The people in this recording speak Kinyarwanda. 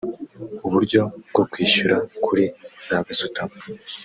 uburyo bwo kwishyura kuri za gasutamo